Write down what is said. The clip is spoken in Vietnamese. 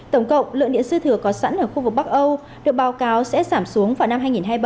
tổng cộng lượng điện dư thừa có sẵn ở khu vực bắc âu được báo cáo sẽ giảm xuống vào năm hai nghìn hai mươi ba